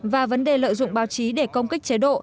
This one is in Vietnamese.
và vấn đề lợi dụng báo chí để công kích chế độ